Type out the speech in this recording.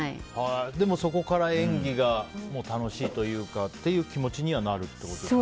そこから演技が楽しいというかっていう気持ちになるってことですか。